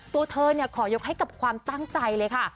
ตัวเธอขอยกให้กับความตั้งใจเลยค่ะ